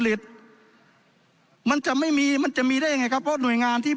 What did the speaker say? มันจะไม่มีมันจะมีได้ยังไงครับเพราะหน่วยงานที่